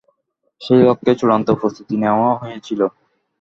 সেই লক্ষ্যে চূড়ান্ত প্রস্তুতি নেওয়াও হয়েছিল।